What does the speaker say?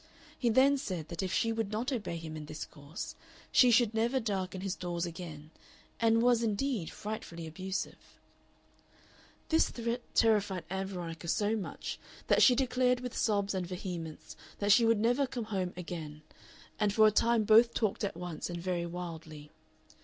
He then said that if she would not obey him in this course she should "never darken his doors again," and was, indeed, frightfully abusive. This threat terrified Ann Veronica so much that she declared with sobs and vehemence that she would never come home again, and for a time both talked at once and very wildly.